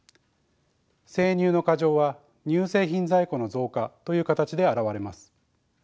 生乳の過剰は乳製品在庫の増加という形で現れます。